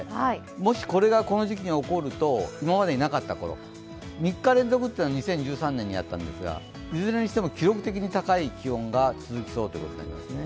もしこれがこの時期に起こると今までになかったこと、３日連続というのは２０１３年にあったんですが、いずれにしても記録的に高い気温が続きそうですね。